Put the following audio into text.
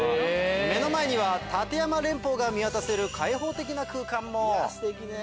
目の前には立山連峰が見渡せる開放的な空間も。